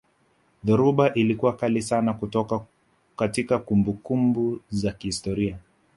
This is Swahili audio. dhoruba ilikuwa kali sana katika kumbukumbu za kihistoria